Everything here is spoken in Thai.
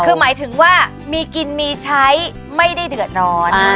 คือหมายถึงว่ามีกินมีใช้ไม่ได้เดือดร้อน